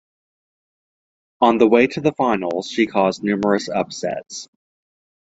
On the way to the finals, she caused numerous upsets.